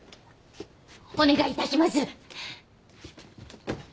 お願いいたします。